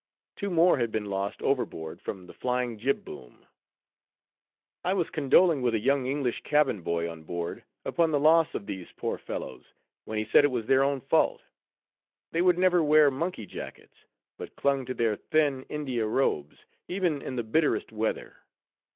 Two more had been lost overboard from the flying jib boom. I was condoling with a young English cabin boy on board, upon the loss of these poor fellows, when he said it was their own fault; they would never wear monkey jackets, but clung to their thin India robes, even in the bitterest weather.